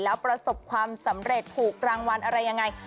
แล้วประสบความสำเร็จถูกรางวัลอะไรยังไง